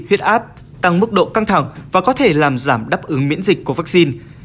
huyết áp tăng mức độ căng thẳng và có thể làm giảm đáp ứng miễn dịch của vaccine